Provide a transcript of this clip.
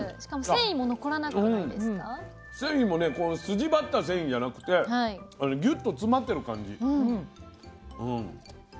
繊維もね筋張った繊維じゃなくてぎゅっと詰まってる感じ。